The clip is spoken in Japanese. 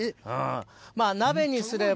まぁ鍋にすれば。